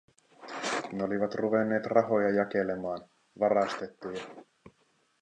Ne olivat ruvenneet rahoja jakelemaan, varastettuja.